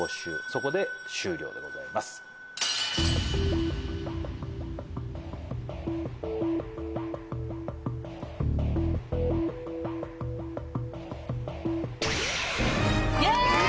そこで終了でございますイエーイ！